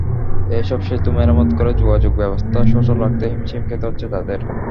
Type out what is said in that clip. এসব সেতু মেরামত করে যোগাযোগব্যবস্থা সচল রাখতে হিমশিম খেতে হচ্ছে তাঁদের।